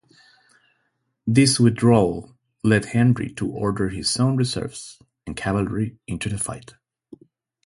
This withdrawal led Henry to order his own reserves and cavalry into the fight.